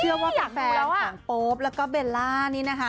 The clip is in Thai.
เชื่อว่าแฟนของโป๊ปแล้วก็เบลลานี่นะฮะ